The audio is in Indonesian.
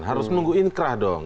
harus menunggu inkrah dong